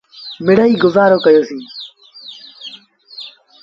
مڙيٚئيٚ گزآرو ڪيو سيٚݩ۔